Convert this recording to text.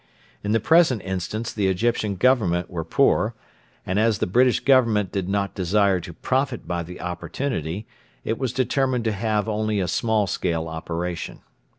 In the present instance the Egyptian Government were poor, and as the British Government did not desire to profit by the opportunity it was determined to have only a small scale operation.